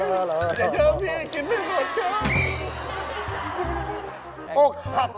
อย่าเยอะพี่กินไม่หมดน้อย